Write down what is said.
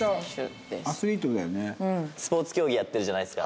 スポーツ競技やってるじゃないですか。